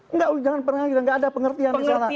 enggak jangan pernah enggak ada pengertian di sana